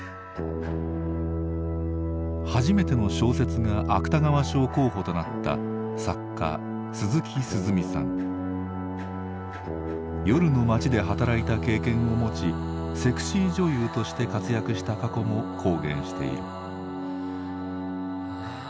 初めての小説が芥川賞候補となった夜の街で働いた経験を持ちセクシー女優として活躍した過去も公言している。